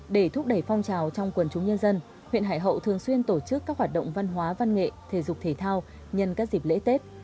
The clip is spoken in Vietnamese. để thúc đẩy phong trào trong quần chúng nhân dân huyện hải hậu thường xuyên tổ chức các hoạt động văn hóa văn nghệ thể dục thể thao nhân các dịp lễ tết